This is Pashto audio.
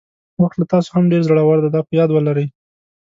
وخت له تاسو هم ډېر زړور دی دا په یاد ولرئ.